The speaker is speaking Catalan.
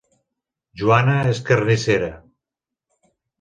Juana és carnissera